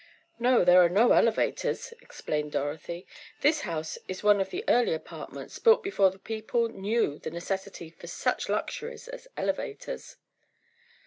"No, there are no elevators," explained Dorothy. "This house is one of the early apartments, built before the people knew the necessity for such luxuries as elevators."